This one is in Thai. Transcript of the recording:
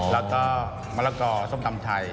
แล้วก็มะละกอส้มตำไทย